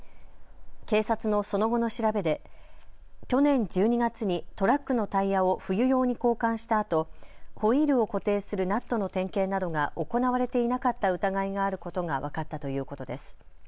警察のその後の調べで去年１２月にトラックのタイヤを冬用に交換したあとホイールを固定するナットの点検などが行われていなかった疑いがあることが分かったということです。